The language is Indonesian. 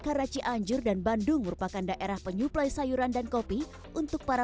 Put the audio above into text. karena cianjur dan bandung merupakan daerah penyuplai sayuran dan kopi untuk para